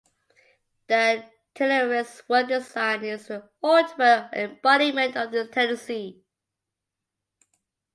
The Taylorist work design is the ultimate embodiment of this tendency.